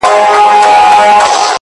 بدكارمو كړی چي وركړي مو هغو ته زړونه-